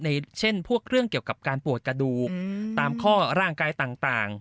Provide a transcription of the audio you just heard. เช่นพวกเรื่องเกี่ยวกับการปวดกระดูกตามข้อร่างกายต่าง